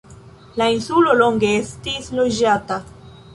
La insulo longe estis loĝata.